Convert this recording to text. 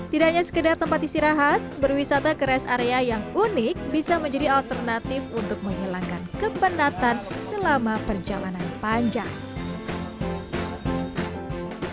tidak hanya sekedar tempat istirahat berwisata ke rest area yang unik bisa menjadi alternatif untuk menghilangkan kebenatan selama perjalanan panjang